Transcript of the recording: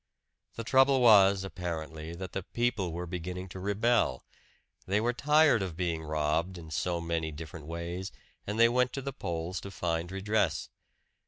The trouble was, apparently, that the people were beginning to rebel they were tired of being robbed in so many different ways, and they went to the polls to find redress.